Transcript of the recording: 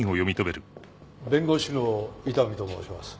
弁護士の伊丹と申します。